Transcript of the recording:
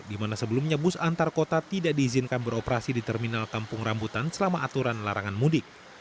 di mana sebelumnya bus antar kota tidak diizinkan beroperasi di terminal kampung rambutan selama aturan larangan mudik